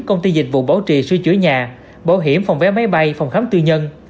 công ty dịch vụ bảo trì sửa chữa nhà bảo hiểm phòng vé máy bay phòng khám tư nhân